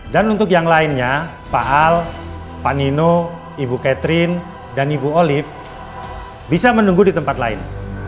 dan untuk yang lainnya pak al pak nino ibu catherine dan ibu olive bisa menunggu di tempat lain